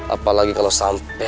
apalagi kalau sampai